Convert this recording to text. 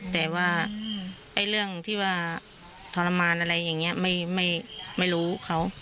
แต่ว่าเรื่องที่ว่าทรมานอะไรอย่างนี้ไม่รู้เขา